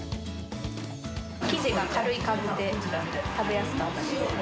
生地が軽い感じで、食べやすかった。